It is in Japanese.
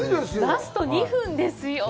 ラスト２分ですよ。